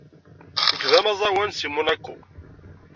Nekk d amaẓẓawan seg Monaco.